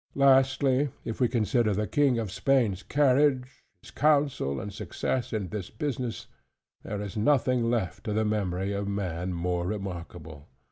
Lastly, if we consider the King of Spain's carriage, his counsel and success in this business, there is nothing left to the memory of man more remarkable.